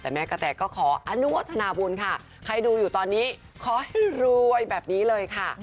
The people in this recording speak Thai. แต่แม่กะแตก็ขออนุโมทนาบุญค่ะใครดูอยู่ตอนนี้ขอให้รวยแบบนี้เลยค่ะ